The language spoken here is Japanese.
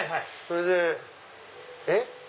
それでえっ？